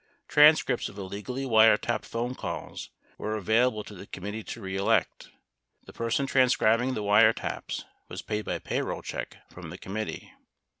43 Transcripts of illegally wiretapped phone calls were available to the Committee To Re Elect. 44 The person transcribing the wiretaps was paid by payroll check from the committee.